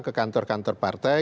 ke kantor kantor partai